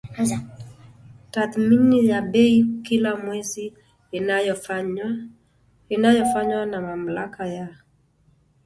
tathmini ya bei kila mwezi inayofanywa na Mamlaka ya